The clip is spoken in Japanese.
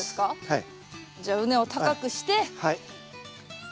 はい。